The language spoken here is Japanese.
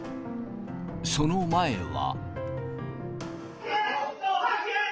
その前は。